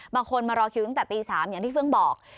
มารอคิวตั้งแต่ตี๓อย่างที่เฟื้องบอก